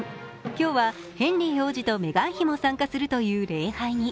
今日はヘンリー王子とメガン妃も参加するという礼拝に